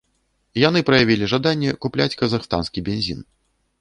Яны праявілі жаданне купляць казахстанскі бензін.